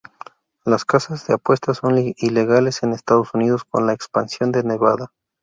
Las casas de apuestas son ilegales en Estados Unidos, con la excepción de Nevada.